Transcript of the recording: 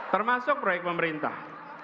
termasuk proyek pemerintah